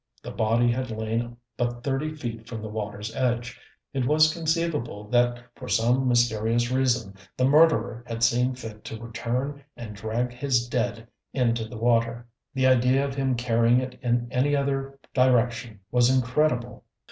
The body had lain but thirty feet from the water's edge: it was conceivable that for some mysterious reason the murderer had seen fit to return and drag his dead into the water. The idea of him carrying it in any other direction was incredible.